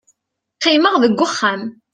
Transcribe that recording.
qqimeɣ deg uxxam